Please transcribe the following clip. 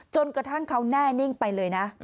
จนกระทั่งเขาแน่นิ่งไปเลยนะ